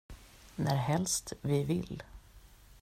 Närhelst vi vill.